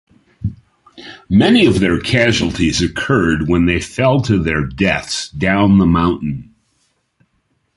Many of their casualties occurred when they fell to their deaths down the mountain.